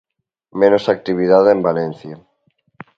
Menos actividade en Valencia.